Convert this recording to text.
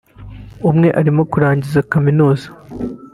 umwe arimo kurangiza kaminuza